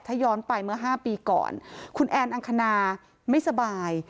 ถ้าย้อนไปเมื่อ๕ปีก่อนคุณแอนอังคณาไม่สบาย